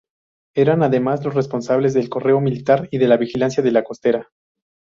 Eran además los responsables del correo militar y de la vigilancia de la costa.